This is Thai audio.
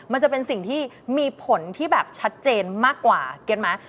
มันจะเป็นสิ่งที่มีผลที่แบบชัดเจนมากกว่าเก็ตไหม